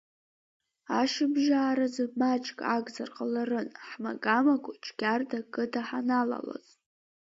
Ашьыбжьааразы маҷк агзар ҟаларын, ҳмага-маго Џьгьарда ақыҭа ҳаналалаз.